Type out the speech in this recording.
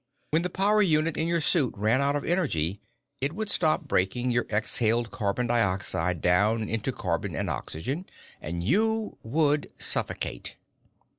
When the power unit in your suit ran out of energy, it would stop breaking your exhaled carbon dioxide down into carbon and oxygen, and you would suffocate.